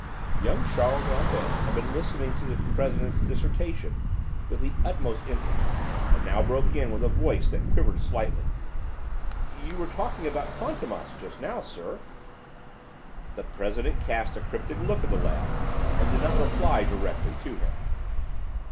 Young Charles Rambert had been listening to the president's dissertation with the utmost interest and now broke in, with a voice that quivered slightly. "You were talking about Fantômas just now, sir " The president cast a cryptic look at the lad and did not reply directly to him.